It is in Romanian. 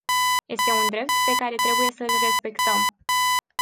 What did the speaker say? Este un drept pe care trebuie să-l respectăm.